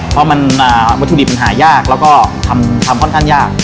เพราะวัตถุดิบมันหายากแล้วก็ทำค่อนข้างยาก